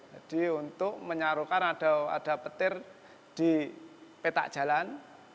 jadi untuk menyalurkan ada petir di petak jalan